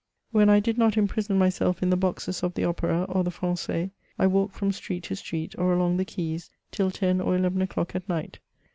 When I did not imprison myself in the boxes of the Opera, or the Fran9ais, I walked from street to street, or along the quays, till ten or eleven o'clock at night.